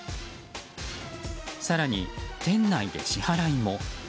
更に店内で支払いも。